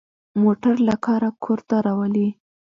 موټر له کاره کور ته راولي.